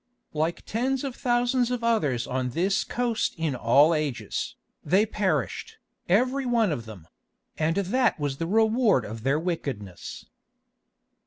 Like tens of thousands of others on this coast in all ages, they perished, every one of them—and that was the reward of their wickedness.